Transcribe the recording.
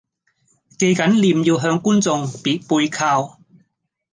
記緊臉要向觀眾別背靠